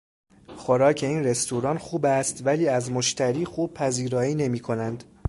خوراک این رستوران خوب است ولی از مشتری خوب پذیرایی نمیکنند.